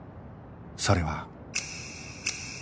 それは